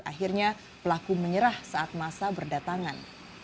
akhirnya pelaku menyerah saat masa berdatangan